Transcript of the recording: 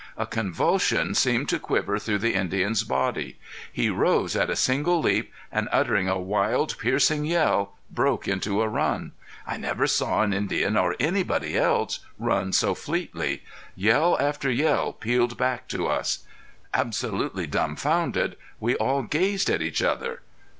A convulsion seemed to quiver through the Indian's body; he rose at a single leap, and uttering a wild, piercing yell broke into a run. I never saw an Indian or anybody else run so fleetly. Yell after yell pealed back to us. Absolutely dumfounded we all gazed at each other.